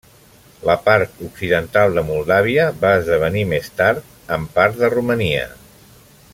La part occidental de Moldàvia va esdevenir més tard en part de Romania.